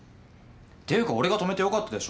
ていうか俺が止めて良かったでしょ。